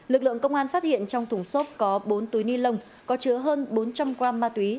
lực lượng công an phát hiện trong thùng xốp có bốn túi ni lông có chứa hơn bốn trăm linh g ma túy